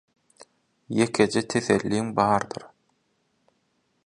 Ýekeje teselliň bardyr